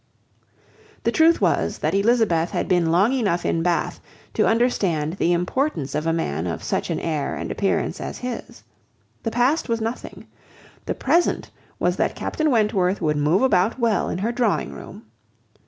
The truth was, that Elizabeth had been long enough in Bath to understand the importance of a man of such an air and appearance as his. The past was nothing. The present was that Captain Wentworth would move about well in her drawing room.